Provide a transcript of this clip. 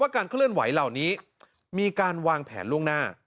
การเคลื่อนไหวเหล่านี้มีการวางแผนล่วงหน้า